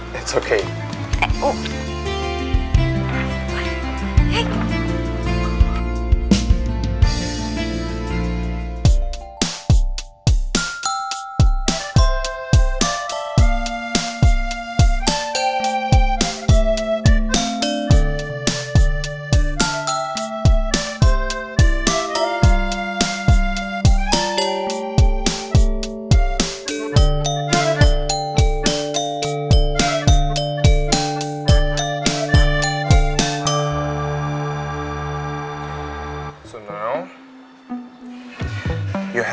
berikan aku telefonnya